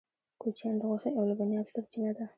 کوچیان د غوښې او لبنیاتو سرچینه ده